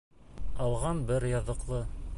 Алған бер яҙыҡлы.